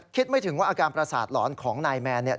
ไม่ถึงว่าอาการประสาทหลอนของนายแมนเนี่ย